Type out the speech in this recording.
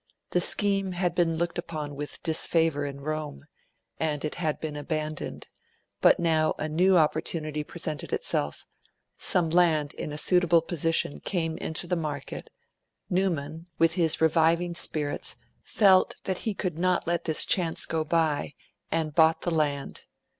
The scheme had been looked upon with disfavour in Rome, and it had been abandoned; but now a new opportunity presented itself some land in a suitable position came into the market. Newman, with his reviving spirits, felt that he could not let this chance go by, and bought the land.